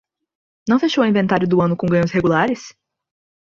Não fechou o inventário do ano com ganhos regulares?